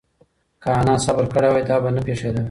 که انا صبر کړی وای، دا به نه پېښېدل.